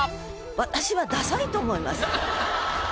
私はダサいと思います。